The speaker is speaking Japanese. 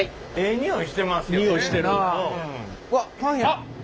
うわっパンや。